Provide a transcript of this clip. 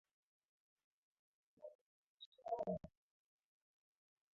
baada ya kukataa mapendekezo ya Serikali ya kuongeza mishahara yao mara mbili zaidi